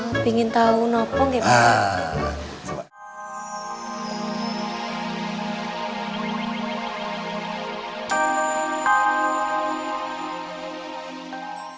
oh pengen tahu nopong ya pak